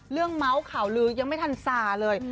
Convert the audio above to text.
เรื่องเมาท์ข่าวลื้อยังไม่ทันสาเลย